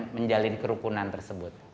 menjalin kerukunan tersebut